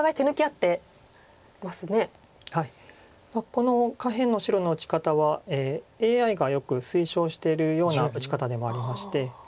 この下辺の白の打ち方はＡＩがよく推奨してるような打ち方でもありまして。